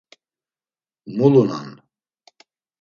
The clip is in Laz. Mulunan.